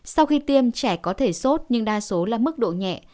sau khi tiêm trẻ có thể sốt nhưng đa số là mức độ nhẹ